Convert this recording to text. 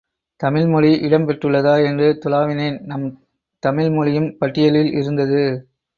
தமிழ் மொழி இடம் பெற்றுள்ளதா என்று துழாவினேன் நம் தமிழ் மொழியும் பட்டியலில் இருந்தது.